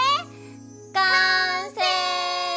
完成！